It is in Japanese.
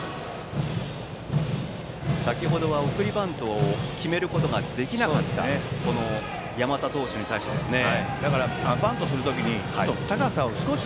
先ほどは送りバントを決めることができなかった山田投手に対してですね。